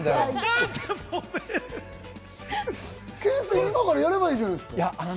懸垂、今からやればいいじゃないですか。